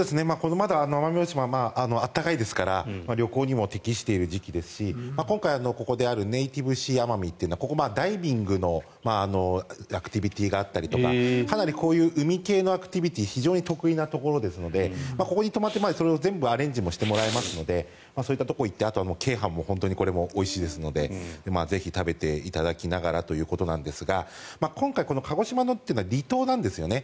まだ奄美大島暖かいですから旅行にも適している時期ですし今回ここであるネイティブシー奄美というのはここはダイビングのアクティビティーがあったりとかかなりこういう海系のアクティビティー非常に得意なところですのでここに泊まって、それを全部アレンジもしてもらえますのでそういうところに行ってあとは鶏飯もおいしいのでぜひ食べていただきながらということですが今回、鹿児島のというのは離島なんですよね。